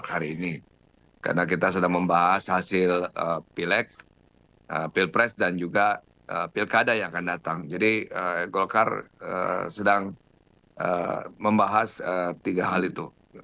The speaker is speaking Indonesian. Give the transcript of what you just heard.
jadi golkar sedang membahas tiga hal itu